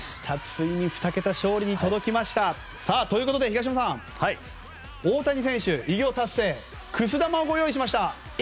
ついに２桁勝利に届きました！ということで東山さん大谷選手、偉業達成くす玉をご用意しました。